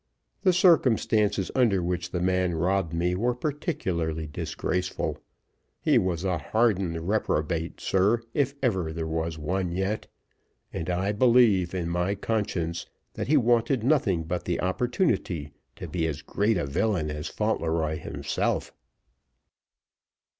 The circumstances under which the man robbed me were particularly disgraceful. He was a hardened reprobate, sir, if ever there was one yet; and I believe, in my conscience, that he wanted nothing but the opportunity to be as great a villain as Fauntleroy himself."